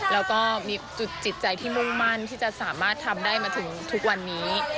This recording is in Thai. แล้วก็มีจุดจิตใจที่มุ่งมั่นที่จะสามารถทำได้มาถึงทุกวันนี้